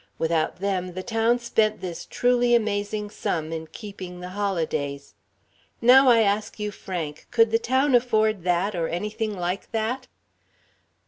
Without them, the town spent this truly amazing sum in keeping the holidays. Now, I ask you, frank, could the town afford that, or anything like that?"